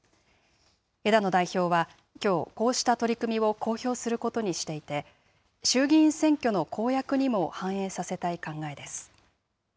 枝野代表はきょう、こうした取り組みを公表することにしていて、衆議院選挙の公約にも反映させたい考えです。